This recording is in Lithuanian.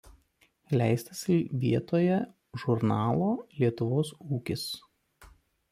Leistas vietoje žurnalo „Lietuvos ūkis“.